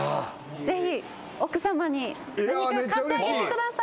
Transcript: ぜひ奥さまに何か買ってあげてください。